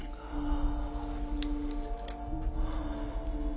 ああ。